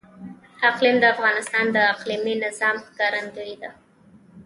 اقلیم د افغانستان د اقلیمي نظام ښکارندوی ده.